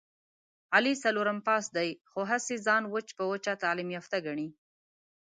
علي څلورم پاس دی، خو هسې ځان وچ په وچه تعلیم یافته ګڼي...